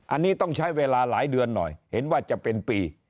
อันนี้ต้องใช้เวลาหลายเดือนหน่อยเห็นว่าจะเป็นปี